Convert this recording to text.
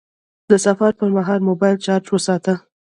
د سفر پر مهال موبایل چارج وساته..